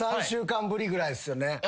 ３週間ぶりぐらいですよね。